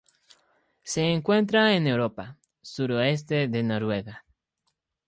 Se encuentra en Europa: suroeste de Noruega.